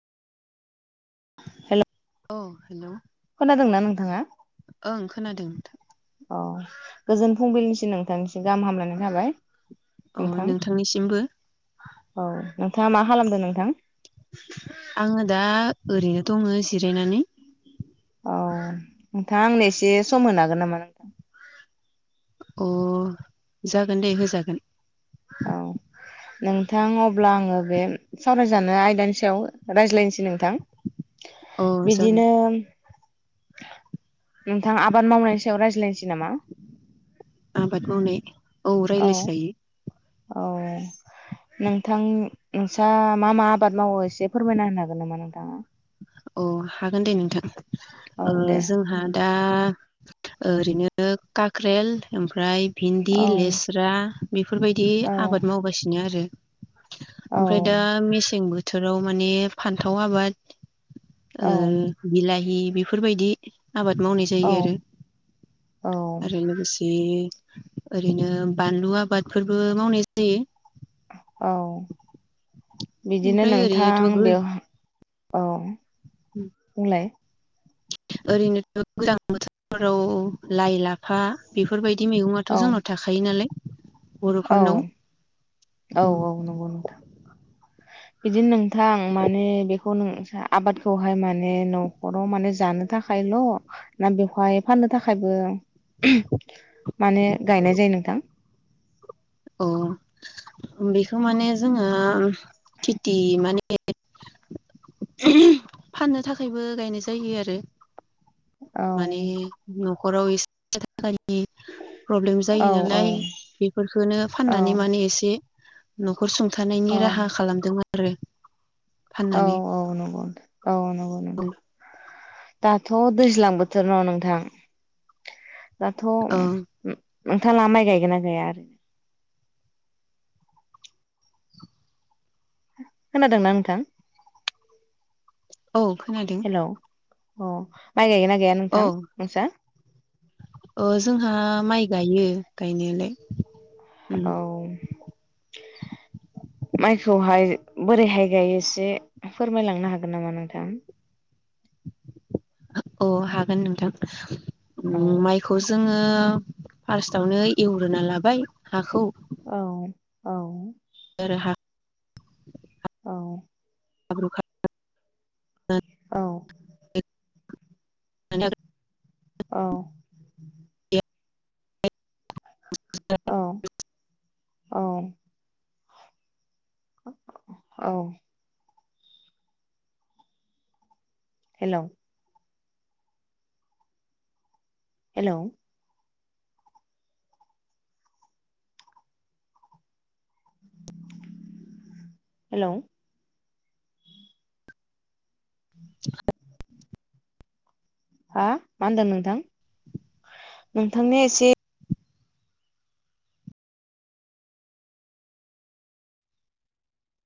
Hello औ खोनादोंना नों नोंथाङा ओ खोनादों नोंथां। औ गोजोन फुंबिलिनिसिम नोंथांनिसिम गाहाम हामलायनाय थाबाय। अ नोंथां नोंथांनिसिमबो औ नोंथाङा मा खालामदों नोंथां? दङो जिरायनानै। औ नोंथाङा आंनो एसे सम होनो हागोन नामा नोंथां? अ जागोन दे होजागोन। औ नोंथां अब्ला आङो बे सावरायजानो आयदानि सायाव रायज्लायनोसै नोंथां। अ जागोन बिदिनो नोंथां आबाद मावनायनि सायाव रायज्लायनोसै नामा? आबाद मावनाय औ रायलाय जायो। औ नोंथां नोंसा मा मा आबाद मावो एसे फोरमायना होनो हागोन नामा नोंथाङा? अ हागोन दे नोंथां औ दे जोंहा दा ओरैनो काक्रेल ओमफ्राय भिन्दि औ लेस्रा बेफोरबायदि औ आबाद मावगासिनो आरो। ओमफ्राय दा मेसें बो थोराव माने फान्थाव आबाद औ ओ बिलााहि बे बेफोरबायदि आबाद मावनाय जायो आरो औ औ आरो लोगोसे ओरैनो बानलु आबादफोरबो मावनाय जायो। औ बिदिनो ओमफ्राय ओरैनोथ' नोंथां गो बेवहा औ बुंलाय ओरैनोथ' गोजां बोथोरफोराव लाइ लाफा बेफोरबायद दि मैगङाथ' औ जोंनाव थाखायो नालाय औ बर'फोरनाव औ औ नंगौ नोंथां। बिदिनो नोंथां माने बेखौ न' जोहा आबादखौहाय माने न'खराव माने जानो थाखायल' ना बेवहाय फाननो थाखायबो माने गायनाय जायो नोंथां? अ बेखौ माने जोङो खेथि माने फाननो थाखायबो गायनाय जायो आरो। औ माने नखराव एसे फैसा थाखानि [inaudible] प्रब्लेम जायो औ औ नालाय बेफोरखौनो औ फाननानै माने एसे न-' खर औ सुंथानायनि राहा खालामदोंमोन। आरो। फाननानै औगौ औ नंगौ औ नोंथां। दाथ' दैज्लां बोथोर न नोंथां। दाथ' औ नोंथाङा माइ गायगोन ना गाया ओरैनो? खोनादोंना नोंथां? [inaudible] औ खोनादों। Hello a my गायगोनना? गाया नोंथां औ नोंसा? अ जोंहा माइ गायो गायनायालाय। उम औ। माइखौहाय बोरैहाय गायो एसे फोरमायलांनो हागोन नामा नोंथां? अ हागोन नोंथां। औ माइखौ जोङो ओ फार्स्टआवनो एवग्रोना लाबाय हाखौ। औ आरो हा औ। हाब्रु औ [inaudible] माने [inaudible] औ। [inaudible] औ औ। औ। हेल'? हेल'? हेलौ? [inaudible] हा मा होनदों नोंथां नोंथांया एसे